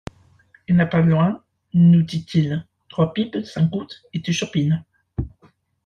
Il n'y a pas loin, nous dit-il, trois pipes, cinq gouttes et deux chopines.